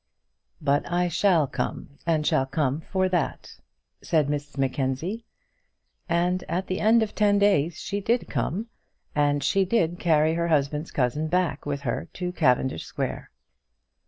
"But I shall come, and shall come for that," said Mrs Mackenzie; and at the end of the ten days she did come, and she did carry her husband's cousin back with her to Cavendish Square.